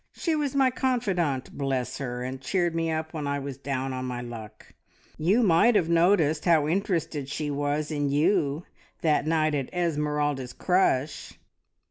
She was my confidante, bless her, and cheered me up when I was down on my luck. You might have noticed how interested she was in you that night at Esmeralda's crush!"